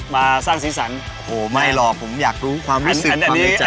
มาสร้างศีรษรโอ้โหไม่หรอกผมอยากรู้ความวิสึกความในใจ